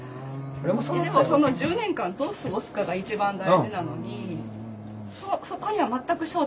その１０年間どう過ごすかが一番大事なのにそこには全く焦点当てず。